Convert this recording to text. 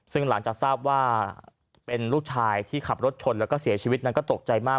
ซึ่งหลังจากทราบว่าเป็นลูกชายที่ขับรถชนแล้วก็เสียชีวิตนั้นก็ตกใจมาก